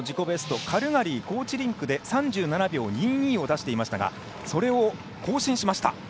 ベストカルガリー、高地リンクで３７秒２２を出していましたがそれを更新しました。